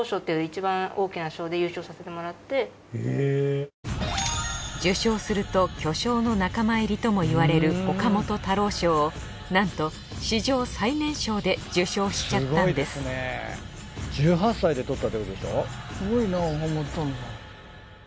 そして受賞すると巨匠の仲間入りともいわれる岡本太郎賞をなんと史上最年少で受賞しちゃったんですすごいな。